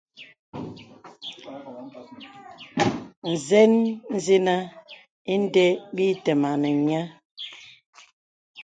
Nzen nzinə inde bə ǐ tamaŋ nè nyə̄.